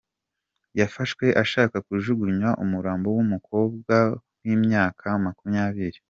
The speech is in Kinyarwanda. Yafashwe ashaka kujugunya umurambo w’umukobwa w’imyaka makumyabiri